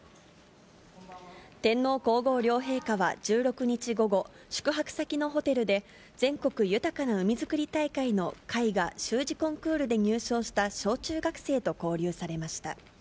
天皇皇后両陛下は１６日午後、宿泊先のホテルで、全国豊かな海づくり大会の絵画・習字コンクールで入賞した小中学生と交流されました。